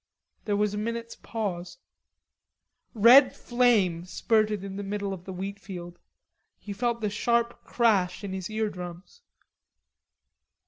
There was a minute's pause. Red flame spurted in the middle of the wheatfield. He felt the sharp crash in his eardrums.